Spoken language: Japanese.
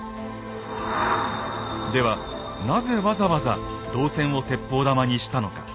ではなぜわざわざ銅銭を鉄砲玉にしたのか。